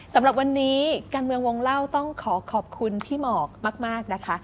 สำหรับวันนี้การเมืองวงเล่าต้องขอขอบคุณพี่หมอกมากนะคะ